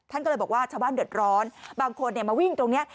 ท่านก็เลยบอกว่าชาวบ้านเดือดร้อนบางคนมาวิ่งตรงนี้